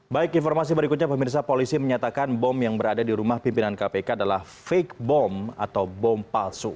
baik informasi berikutnya pemirsa polisi menyatakan bom yang berada di rumah pimpinan kpk adalah fake bom atau bom palsu